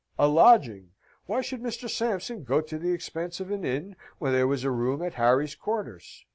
A lodging why should Mr. Sampson go to the expense of an inn, when there was a room at Harry's quarters?